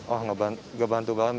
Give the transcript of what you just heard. oh nggak bantu banget